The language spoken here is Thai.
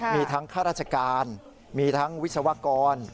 มีทั้งข้าราชการมีทั้งวิศวกร